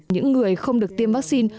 những người không được tiêm vaccine